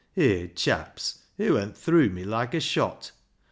Hay, chaps ! it went through me loike a shot.